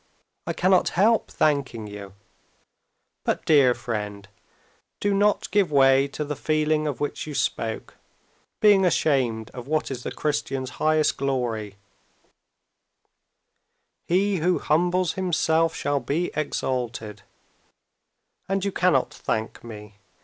"I cannot help thanking you." "But, dear friend, do not give way to the feeling of which you spoke—being ashamed of what is the Christian's highest glory: he who humbles himself shall be exalted. And you cannot thank me.